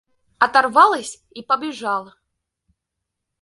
Оторвалась и побежала!